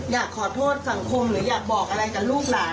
อยากขอโทษสังคมหรืออยากบอกอะไรกับลูกหลาน